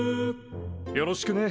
よろしくね。